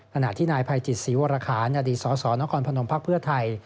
ขณะที่นายภัยจิตศรีวรคานอดีตสสนพภไทย